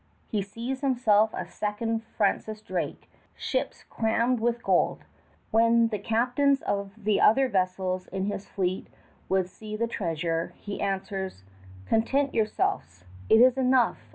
He sees himself a second Francis Drake, ships crammed with gold. When the captains of the other vessels in his fleet would see the treasure, he answers: "Content yourselves! It is enough!